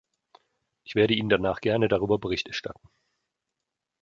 Ich werde Ihnen danach gerne darüber Bericht erstatten.